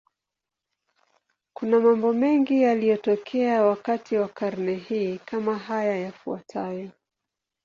Kuna mambo mengi yaliyotokea wakati wa karne hii, kama haya yafuatayo.